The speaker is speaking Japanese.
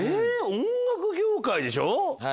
音楽業界でしょ？